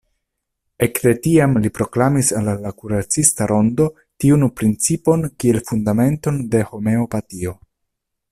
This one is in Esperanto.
Ekde tiam li proklamis al la kuracista rondo tiun principon kiel fundamenton de Homeopatio.